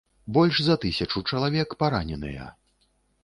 Больш за тысячу чалавек параненыя.